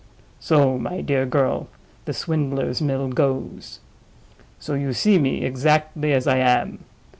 So, my dear girl, the Swindler's Mill goes. So you see me exactly as I am.